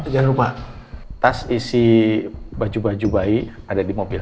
jangan lupa tas isi baju baju bayi ada di mobil